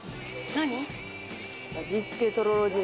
何？